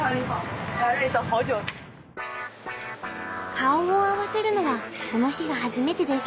顔を合わせるのはこの日が初めてです。